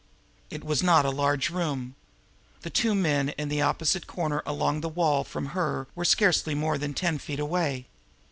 It was not a large room. The two men in the opposite corner along the wall from her were scarcely more than ten feet away.